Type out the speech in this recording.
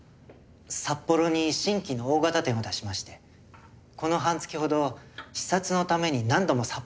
札幌に新規の大型店を出しましてこの半月ほど視察のために何度も札幌へ行ってました。